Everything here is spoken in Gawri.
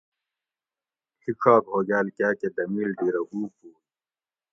ڷیڄاگ ھوگال کاکہ دمیل ڈھیرہ او پوگ